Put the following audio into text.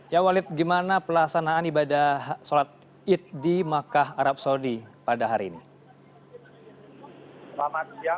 ya walid gimana pelaksanaan ibadah sholat id di makkah arab saudi pada hari ini